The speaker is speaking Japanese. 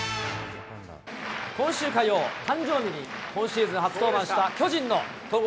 今週火曜、誕生日に、今シーズン初登板した巨人の戸郷